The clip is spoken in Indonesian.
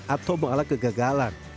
atau mengalah kegagalan